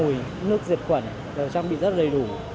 vì cũng chưa công bố hết gì